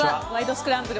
スクランブル」